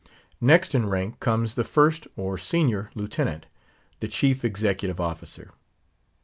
Next in rank comes the First or Senior Lieutenant, the chief executive officer.